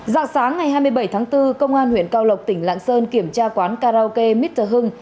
giọt sáng ngày hai mươi bảy tháng bốn công an huyện cao lộc tỉnh lạng sơn kiểm tra quán karaoke mr hung